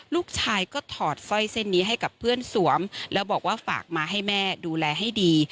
ลูกชายก็ถอดสร้อยเส้นนี้ให้กับเพื่อนสวมแล้วบอกว่าฝากมาให้แม่ดูแลให้ดี